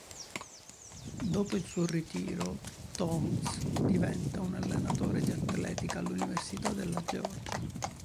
Dopo il suo ritiro Towns diventa un allenatore di atletica all'Università della Georgia.